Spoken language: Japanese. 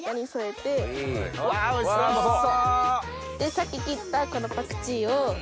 さっき切ったこのパクチーを。